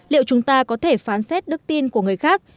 liệu chúng ta có thể phán xét đức tin của người khác